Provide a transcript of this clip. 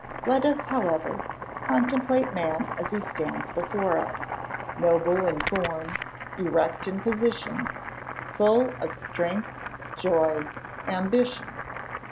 Let us, however, contemplate man as he stands before us, noble in form, erect in position, full of strength, joy, ambition.